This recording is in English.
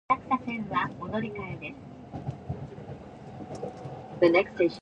Contraction continued through the nine-day eruption before starting again immediately after the eruption ended.